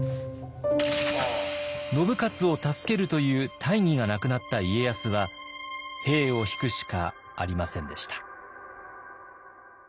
信雄を助けるという大義が無くなった家康は兵を引くしかありませんでした。